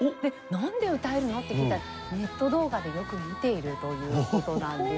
「なんで歌えるの？」って聞いたらネット動画でよく見ているという事なんですよね。